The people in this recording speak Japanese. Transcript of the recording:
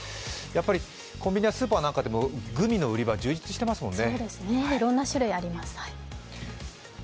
コンビニやスーパーなどでも、グミの売り場、充実してますもんね